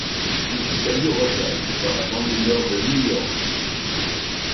Il vit à New Rochelle, dans la banlieue nord de New York.